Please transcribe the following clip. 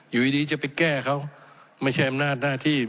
อยู่ดีจะไปแก้เขาไม่ใช่อำนาจหน้าที่